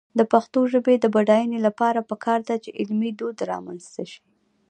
د پښتو ژبې د بډاینې لپاره پکار ده چې علمي دود رامنځته شي.